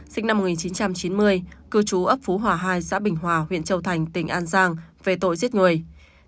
sinh năm một nghìn chín trăm chín mươi cư trú ấp phú hòa hai xã bình hòa huyện châu thành tỉnh an giang về tội giết người